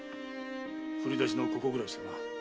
振り出しのここぐらいしかな。